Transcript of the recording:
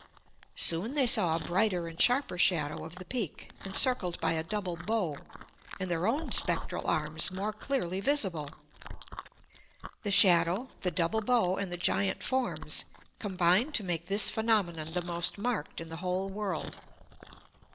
Soon they saw a brighter and sharper shadow of the Peak, encircled by a double bow, and their own spectral arms more clearly visible. The shadow, the double bow, and the giant forms, combined to make this phenomenon the most marked in the whole world.